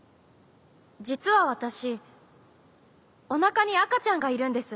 じつはわたしおなかにあかちゃんがいるんです。